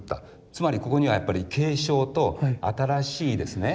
つまりここにはやっぱり継承と新しいですね